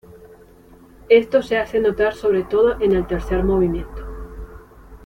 Esto se hace notar sobre todo en el tercer movimiento.